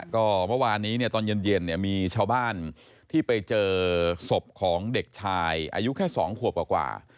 ก็เมื่อวานนี้เนี่ยตอนเย็นเนี่ยมีชาวบ้านที่ไปเจอศพของเด็กชายอายุแค่๒ขวบกว่า